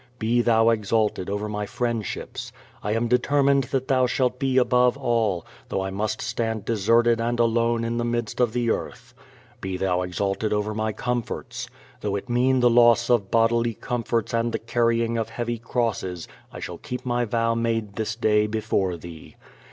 Be Thou exalted over my friendships. I am determined that Thou shalt be above all, though I must stand deserted and alone in the midst of the earth. Be Thou exalted above my comforts. Though it mean the loss of bodily comforts and the carrying of heavy crosses I shall keep my vow made this day before Thee.